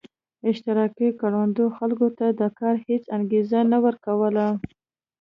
اشتراکي کروندو خلکو ته د کار هېڅ انګېزه نه ورکوله.